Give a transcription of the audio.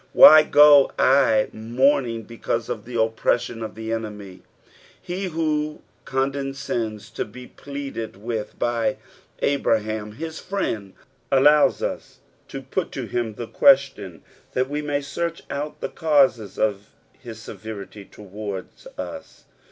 "Why go I mourning heeaiae of the opjireimoa of the eneaiy f" lie who condescends to bo pleaded with by Abraham, his friend, allows us to put to him the question lliat we may search out the causes of his eevcrity towards us.